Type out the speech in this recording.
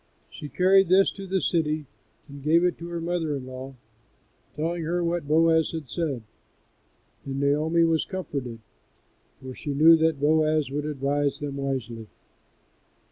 She carried this to the city and gave it to her mother in law, telling her what Boaz had said, and Naomi was comforted; for she knew that Boaz would advise them wisely.